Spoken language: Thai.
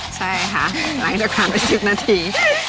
ใช่ค่ะหลังจากผ่านไป๑๐นาที